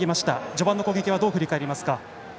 序盤の攻撃どう振り返りますか？